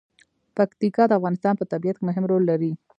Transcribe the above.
پکتیکا د افغانستان په طبیعت کې مهم رول لري.